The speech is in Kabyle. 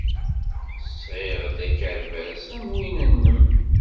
Sɣiɣ-d akerbas am win-nnem.